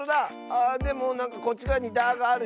ああでもなんかこっちがわに「だ」があるよ。